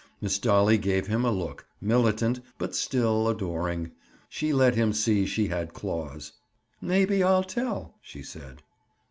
Miss Dolly gave him a look, militant, but still adoring. She let him see she had claws. "Maybe I'll tell," she said.